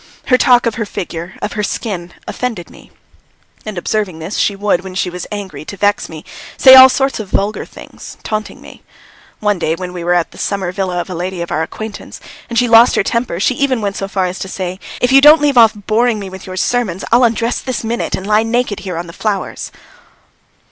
Her talk of her figure, of her skin, offended me, and observing this, she would, when she was angry, to vex me, say all sorts of vulgar things, taunting me. One day when we were at the summer villa of a lady of our acquaintance, and she lost her temper, she even went so far as to say: "If you don't leave off boring me with your sermons, I'll undress this minute and lie naked here on these flowers."